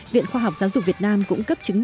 viện khoa học giáo dục việt nam cũng cấp truyền thông